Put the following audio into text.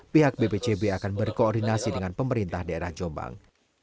pihak bpcb akan berkoordinasi dengan pemerintah daerah jombang